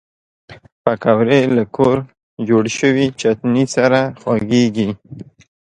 پکورې له کور جوړ شوي چټني سره خوږېږي